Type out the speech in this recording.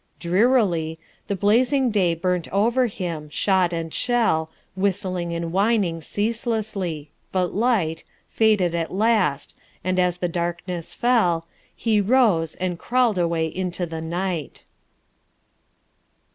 Drearily The blazing day burnt over him, shot and shell Whistling and whining ceaselessly. But light Faded at last, and as the darkness fell He rose, and crawled away into the night.